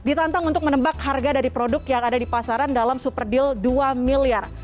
ditantang untuk menebak harga dari produk yang ada di pasaran dalam super deal dua miliar